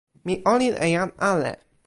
mi olin e jan ale.